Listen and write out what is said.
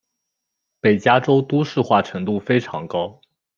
北加州都市化程度非常高。